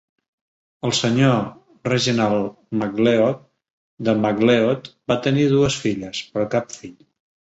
El senyor Reginald MacLeod de MacLeod va tenir dues filles, però cap fill.